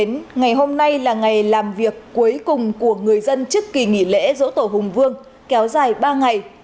ngày hôm nay là ngày làm việc cuối cùng của người dân trước kỳ nghỉ lễ dỗ tổ hùng vương kéo dài ba ngày